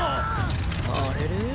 あれれー